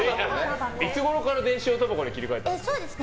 いつごろから電子おたばこに切り替えたんですか？